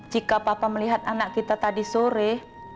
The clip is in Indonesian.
jika papa melihat anak kita tadi sore